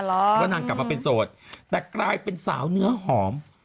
เพราะนางกลับมาเป็นโสดแต่กลายเป็นสาวเนื้อหอม